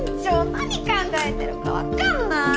何考えてるか分かんない！